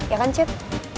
ya kan cit